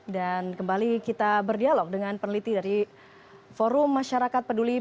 dan kembali kita berdialog dengan peneliti dari forum masyarakat peduli